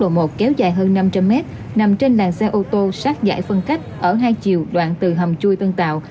độ một kéo dài hơn năm trăm linh mét nằm trên làng xe ô tô sát giải phân cách ở hai chiều đoạn từ hầm chui tân tạo